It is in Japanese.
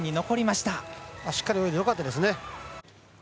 しっかり泳いでよかったですね。